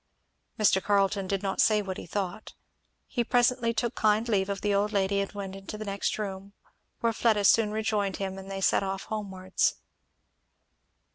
Mr. Carleton did not say what he thought. He presently took kind leave of the old lady and went into the next room, where Fleda soon rejoined him and they set off homewards.